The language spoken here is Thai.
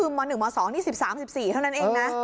คือม๑ม๒นี่๑๓๑๔เท่านั้นเองนะ